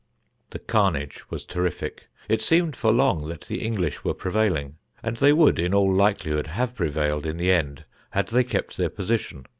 The carnage was terrific. It seemed for long that the English were prevailing; and they would, in all likelihood, have prevailed in the end had they kept their position.